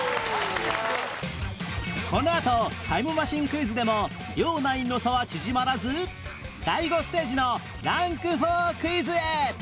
このあとタイムマシンクイズでも両ナインの差は縮まらず第５ステージのランク４クイズへ